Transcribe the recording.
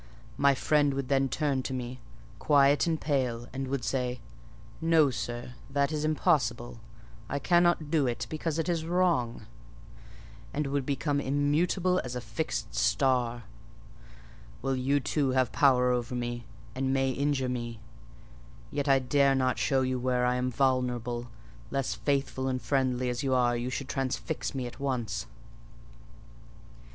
My friend would then turn to me, quiet and pale, and would say, 'No, sir; that is impossible: I cannot do it, because it is wrong;' and would become immutable as a fixed star. Well, you too have power over me, and may injure me: yet I dare not show you where I am vulnerable, lest, faithful and friendly as you are, you should transfix me at once."